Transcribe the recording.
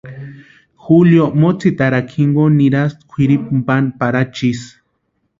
Julio motsitarakwa jinkoni nirasïnti kwʼiripuni pani Parachu isï.